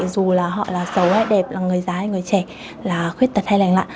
dù là họ là xấu hay đẹp là người già hay người trẻ là khuyết tật hay lành lạ